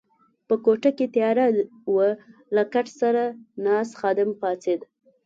په کوټه کې تیاره وه، له کټ سره ناست خادم پاڅېد.